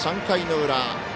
３回の裏。